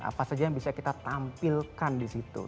apa saja yang bisa kita tampilkan di situ